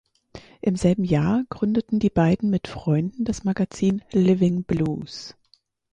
Im selben Jahr gründeten die beiden mit Freunden das Magazin "Living Blues".